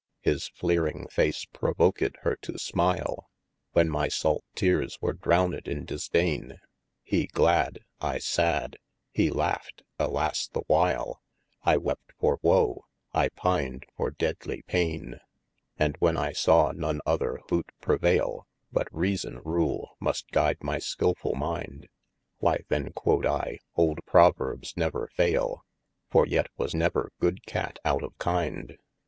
His fleering face provoked hir to smile, When my salt teares were drowned in disdaine : He glad, I sad, he laught, {alas the while) I wept for woe : I pin'd for deadlie paine. And when I sawe none other boote prevaile, But reason rule must guide my skilfull minde : Why then {quod I) olde proverbes never faile, For yet was never good Cat out of kinde.